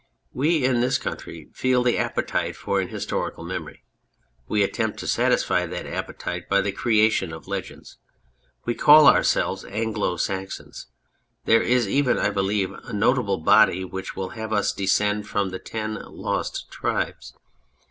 We in this country feel the appetite for an historical memory ; we attempt to satisfy that appetite by the creation of legends ; we call ourselves " Anglo Saxons " there is even, I believe, a notable body which will have us descended from the ten Lost Tribes.